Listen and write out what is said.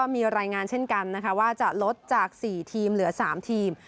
มีรายงานเช่นกันนะคะว่าจะลดจาก๔ทีมเหลือ๓ทีม